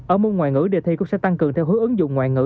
ở môn ngoại ngữ đề thi cũng sẽ tăng cường theo hướng ứng dụng ngoại ngữ